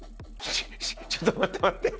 ちょっと待って、待って。